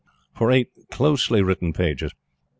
for eight closely written pages.